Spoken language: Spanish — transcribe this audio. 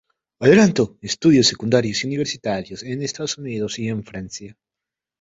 Adelantó estudios secundarios y universitarios en Estados Unidos y en Francia.